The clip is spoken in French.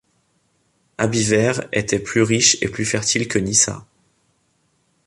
Abiverd était plus riche et plus fertile que Nisa.